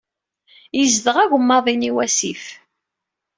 Yezdeɣ agemmaḍ-in i wasif.